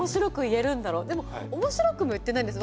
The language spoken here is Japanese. でも面白くも言ってないんです。